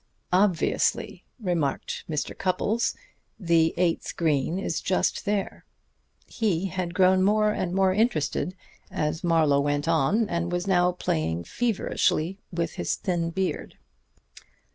"Obviously," remarked Mr. Cupples. "The eighth green is just there." He had grown more and more interested as Marlowe went on, and was now playing feverishly with his thin beard.